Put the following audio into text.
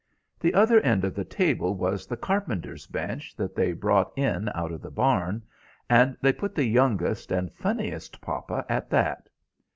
The other end of the table was the carpenter's bench that they brought in out of the barn, and they put the youngest and funniest papa at that.